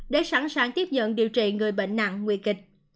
để sẵn sàng tiếp nhận điều trị người bệnh nặng nguy kịch